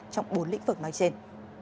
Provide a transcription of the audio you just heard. trong bốn lĩnh vực nói trên